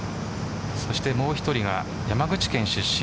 そして、もう１人が山口県出身